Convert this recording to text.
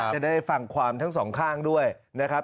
จะได้ฟังความทั้งสองข้างด้วยนะครับ